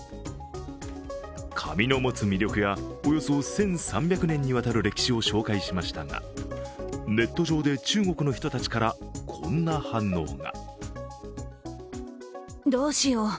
紙の持つ魅力や、およそ１３００年にわたる歴史を紹介しましたが、ネット上で、中国の人たちからこんな反応が。